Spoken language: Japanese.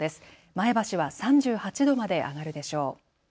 前橋は３８度まで上がるでしょう。